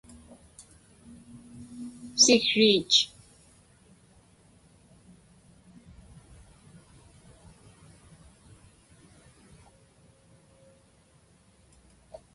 siksriich